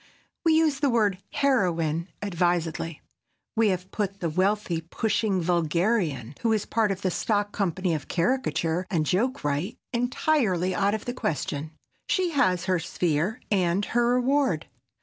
We use the word "heroine" advisedly. We have put the wealthy pushing vulgarian, who is part of the stock company of caricature and joke wright, entirely out of the question. She has her sphere and her reward.